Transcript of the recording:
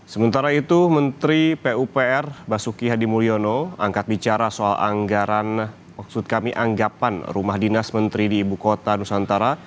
sementara itu menteri pupr basuki hadi mulyono angkat bicara soal anggaran maksud kami anggapan rumah dinas menteri di ibu kota nusantara